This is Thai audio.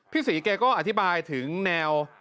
พี่ศรีแกก็อธิบายถึงแนว